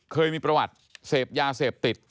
เคยมีประวัติเสพยาเสพติด